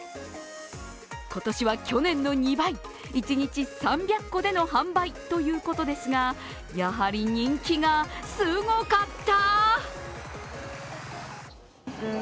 今年は去年の２倍、一日３００個での販売ということですが、やはり人気がすごかった。